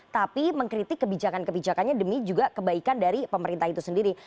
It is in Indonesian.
tapi mengkritik kebijakan kebijakannya demi juga kebaikan dari pemerintah itu sendiri